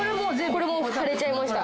これも腫れちゃいました。